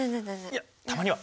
いやたまには。